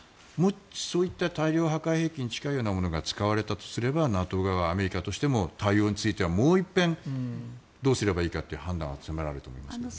そういった破壊兵器に近いようなものが使われたとすればＮＡＴＯ側はアメリカとしても対応についてはもう一遍どうすればいいかという判断は迫られると思いますけどね。